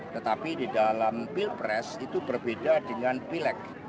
tetapi di dalam pilpres itu berbeda dengan pileg